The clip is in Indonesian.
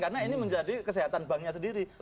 karena ini menjadi kesehatan banknya sendiri